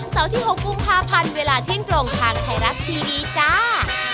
เสาร์ที่๖กรุงภาพันธ์เวลา๑๐ตรงทางไทยรัฐทีวีจ้า